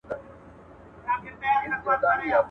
ايا د يوسف عليه السلام وروڼه نبيان وه که يه؟